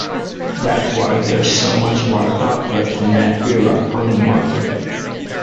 That's why there's so much of our output from that era on the market.